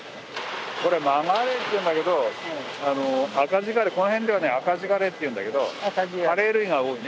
これマガレイっていうんだけどこの辺ではアカジガレイっていうんだけどカレイ類が多いね。